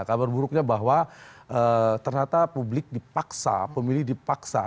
kabar buruknya bahwa ternyata publik dipaksa pemilih dipaksa